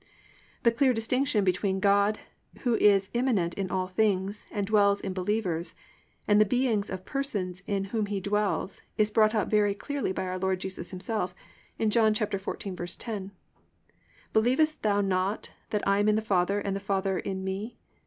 The clear distinction between God, who is immanent in all things, and dwells in believers, and the beings and persons in whom He dwells, is brought out very clearly by our Lord Himself in John 14:10: +"Believest thou not that I am in the Father and the Father in me?